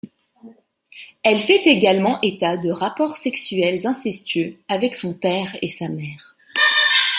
Elle fait également état de rapports sexuels incestueux avec son père et sa mère.